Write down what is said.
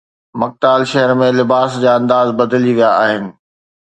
مڪتال شهر ۾ لباس جا انداز بدلجي ويا آهن